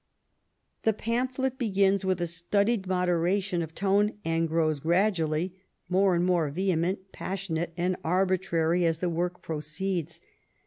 The pamphlet begins with a studied moderation of tone and grows gradually more and more vehement, passionate, and arbitrary as the work proceeds.